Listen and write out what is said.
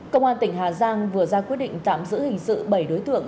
công an tỉnh hà giang vừa ra quyết định tạm giữ hình sự bảy đối tượng